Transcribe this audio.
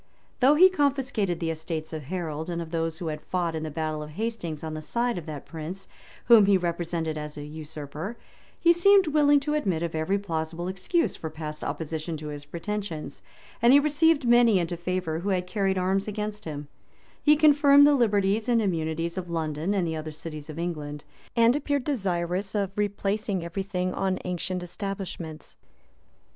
Though he confiscated the estates of Harold, and of those who had fought in the battle of Hastings on the side of that prince, whom he represented as a usurper, he seemed willing to admit of every plausible excuse for past opposition to his pretensions, and he received many into favor who had carried arms against him, He confirmed the liberties and immunities of London and the other cities of England; and appeared desirous of replacing every thing on ancient establishments.